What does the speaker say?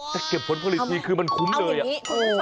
แต่เก็บผลผลิตีคือมันคุ้มเลยอ่ะโอ้โหเอาอย่างนี้